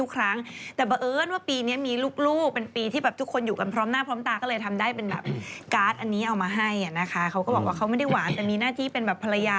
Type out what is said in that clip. เขาก็บอกว่าเขาไม่ได้หวานแต่มีหน้าที่เป็นแบบภรรยา